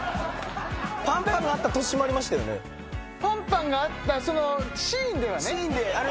パンパンがあったシーンではね。